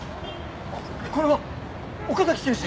これは岡崎警視！